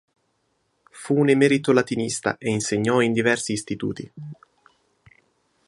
Fu un emerito latinista e insegnò in diversi istituti.